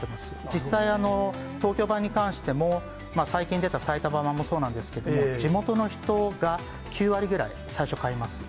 実際、東京版に関しても、最近出た埼玉版もそうなんですけど、地元の人が９割ぐらい、最初買います。